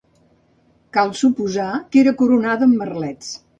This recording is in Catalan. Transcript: Cal suposar que era coronada amb merlets.